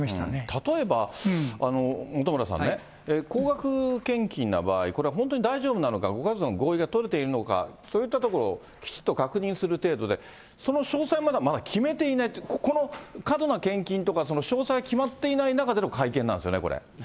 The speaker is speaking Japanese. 例えば、本村さんね、高額献金な場合、これは本当に大丈夫なのか、ご家族の合意が取れているのか、そういったところをきちっと確認する程度で、その詳細まだ決めていないって、ここの過度な献金とか、詳細決まっていない中での会見なんですよね、これ。